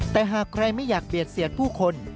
แต่หากใครไม่อยากเบียดเสียดผู้คน